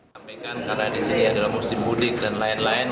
sampaikan karena di sini adalah musim mudik dan lain lain